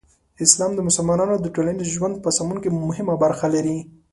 اسلام د مسلمانانو د ټولنیز ژوند په سمون کې مهمه برخه لري.